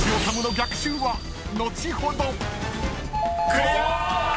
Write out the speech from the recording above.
［クリア！］